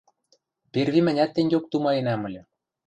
Перви мӹнят тенгеок тумаенӓм ыльы.